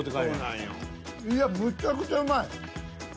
いやむちゃくちゃうまい。